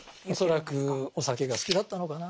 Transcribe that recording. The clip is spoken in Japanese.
恐らくお酒が好きだったのかな。